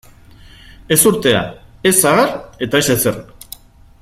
Ezurtea, ez sagar eta ez ezer.